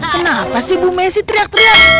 kenapa sih bu messi teriak teriak